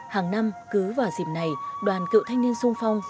hàng năm cứ vào dịp này đoàn cựu thanh niên sung phong